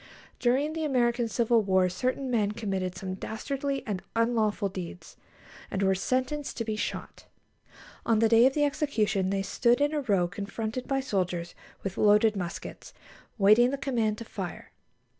During the American Civil War certain men committed some dastardly and unlawful deeds, and were sentenced to be shot. On the day of the execution they stood in a row confronted by soldiers with loaded muskets, waiting the command to fire.